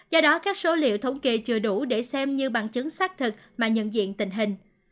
do đó các số liệu thống kê chưa đủ để xem như bằng chứng xác thực mà nhận diện tình hình